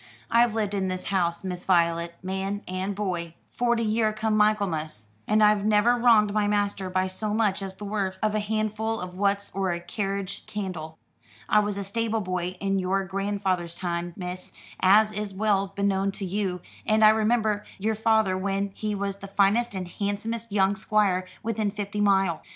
"I've lived in this house, Miss Voylet, man and boy, forty year come Michaelmas, and I've never wronged my master by so much as the worth of a handful o' wuts or a carriage candle. I was stable boy in your grandfeyther's time, miss, as is well beknown to you; and I remember your feyther when he was the finest and handsomest young squire within fifty mile.